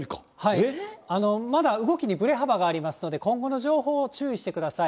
まだ動きにぶれ幅がありますので、今後の情報を注意してください。